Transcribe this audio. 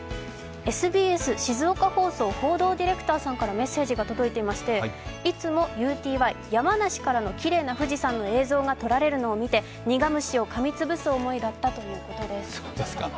ＳＢＳ静岡放送報道ディレクターさんからメッセージが届いていまして、いつもＵＴＹ、山梨からのきれいな富士山が撮られるのを見て苦虫をかみつぶす思いだったということです。